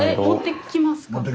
持ってきますか？